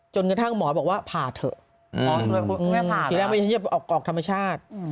จนกระทั่งหมอบอกว่าผ่าเถอะอ๋อไม่ผ่าออกธรรมชาติ